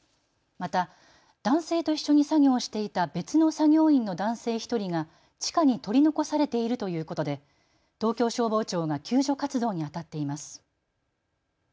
また男性と一緒に作業していた別の作業員の男性１人が地下に取り残されているということで東京消防庁が救助活動にあたっています。